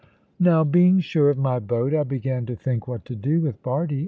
Now, being sure of my boat, I began to think what to do with Bardie.